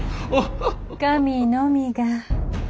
神のみが？